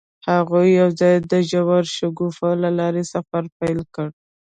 هغوی یوځای د ژور شګوفه له لارې سفر پیل کړ.